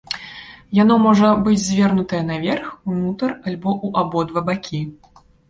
Яно можа быць звернутае наверх, унутр альбо ў абодва бакі.